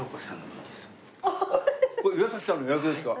これ岩崎さんの予約ですか？